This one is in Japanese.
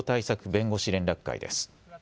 弁護士連絡会です。